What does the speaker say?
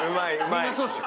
みんなそうでしょ？